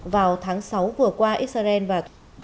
vào tháng sáu vừa qua israel và